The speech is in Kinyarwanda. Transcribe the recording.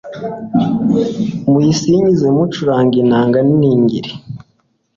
muyisingize mucuranga inanga n’iningiri